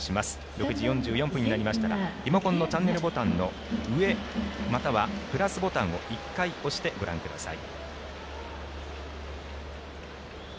６時４４分になりましたらリモコンのチャンネルボタンの上、またはプラスボタンを１回押してご覧ください。